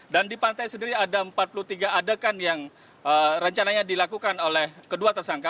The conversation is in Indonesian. dan di pantai sendiri ada empat puluh tiga adegan yang rencananya dilakukan oleh kedua tersangka